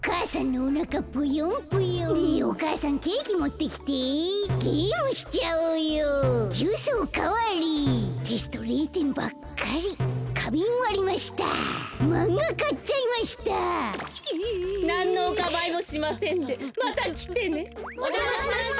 おじゃましました。